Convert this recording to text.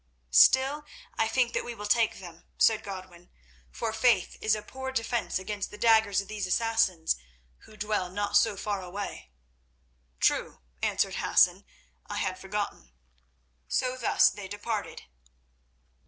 "Still, I think that we will take them," said Godwin, "for faith is a poor defence against the daggers of these Assassins, who dwell not so far away." "True," answered Hassan; "I had forgotten." So thus they departed.